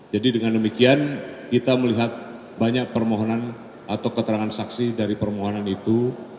jadi dengan demikian kita melihat banyak permohonan atau keterangan saksi dari permohonan itu